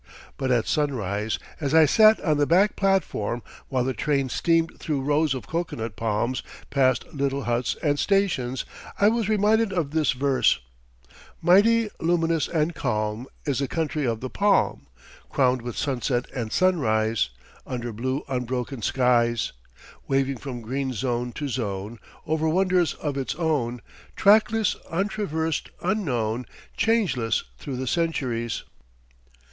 But at sunrise, as I sat on the back platform while the train steamed through rows of cocoanut palms, past little huts and stations, I was reminded of this verse: "Mighty, luminous and calm Is the country of the palm, Crowned with sunset and sunrise, Under blue unbroken skies, Waving from green zone to zone, Over wonders of its own; Trackless, untraversed, unknown, Changeless through the centuries."